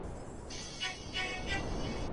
د زړه صفا انسان ښکلی کوي